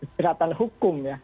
dalam konteks kesehatan hukum ya